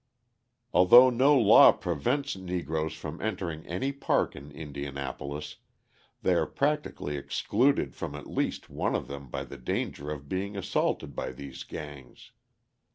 Although no law prevents Negroes from entering any park in Indianapolis, they are practically excluded from at least one of them by the danger of being assaulted by these gangs.